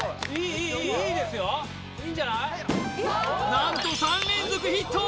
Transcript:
何と３連続ヒット